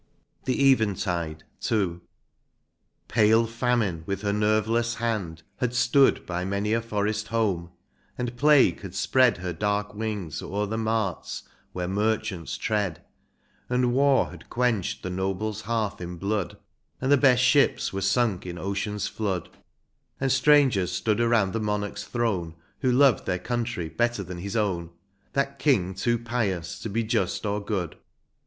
187 XCIII. THE EVENTIDE. — II. Pale famine, with her nerveless hand, had stood By many a forest home, and plague had spread Her dark wings o'er the marts where merchants tread. And war had quenched the nohle's hearth in blood. And the best ships were sunk in ocean's flood. And strangers stood around the monarch's throne. Who loved their country better than his own. That King too pious to be just or good.